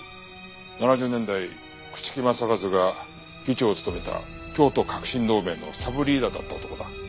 ７０年代朽木政一が議長を務めた京都革新同盟のサブリーダーだった男だ。